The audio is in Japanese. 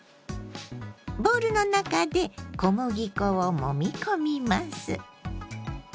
ボウルの中で小麦粉をもみ込みます。